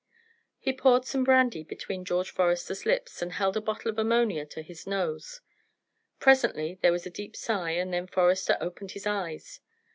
He poured some brandy between George Forester's lips, and held a bottle of ammonia to his nose. Presently there was a deep sigh, and then Forester opened his eyes.